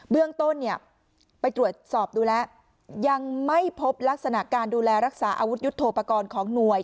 เรื่องต้นเนี่ยไปตรวจสอบดูแล้วยังไม่พบลักษณะการดูแลรักษาอาวุธยุทธโปรกรณ์ของหน่วย